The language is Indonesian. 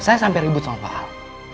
saya sampai ribut sama pak har